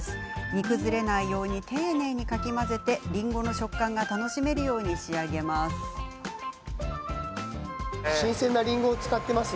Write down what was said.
煮崩れないよう丁寧にかき混ぜりんごの食感が楽しめるように仕上げます。